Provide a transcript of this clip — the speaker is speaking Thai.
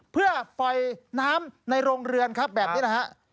เพื่อปล่อยน้ำในโรงเรือนครับแบบนี้นะฮะ